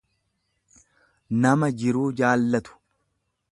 nama jiruu jaallatu.